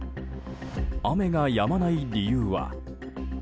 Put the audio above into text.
雨がやまない理由は。